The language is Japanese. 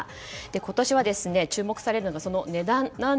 今年は注目されるのはその値段。